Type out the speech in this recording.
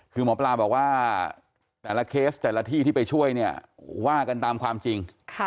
คือหมอปลาบอกว่าแต่ละเคสแต่ละที่ที่ไปช่วยเนี่ยว่ากันตามความจริง